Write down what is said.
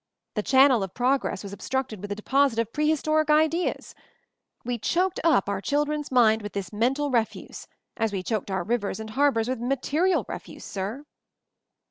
The channel of progress was obstructed with a deposit of prehistoric ideas. We choked up our children's minds with this mental refuse as we choked our rivers and harbors with material refuse, sir."